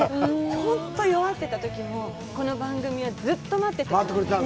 本当に弱ってたときも、この番組はずっと待っててくれて。